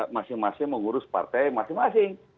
masing masing mengurus partai masing masing